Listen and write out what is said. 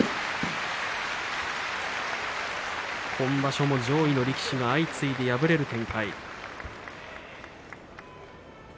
今場所も上位の力士が相次いで敗れる展開。